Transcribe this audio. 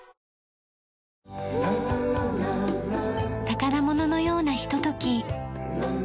宝物のようなひととき。